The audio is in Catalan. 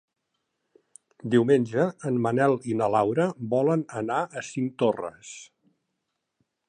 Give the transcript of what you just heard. Diumenge en Manel i na Laura volen anar a Cinctorres.